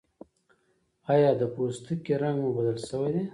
ایا د پوستکي رنګ مو بدل شوی دی؟